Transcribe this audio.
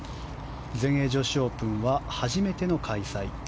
全英女子オープンは初めての開催。